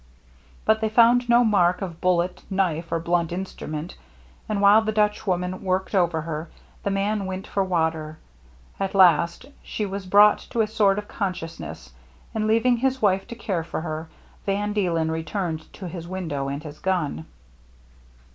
But they found no mark of bullet, knife, or blunt instrument. And while the Dutch woman worked over her, the man went for 3o6 THE MERRY ANNE water. At last she was brought to a sort of consciousness, and, leaying his wife to care for her. Van Deelen returned to his window and his gun.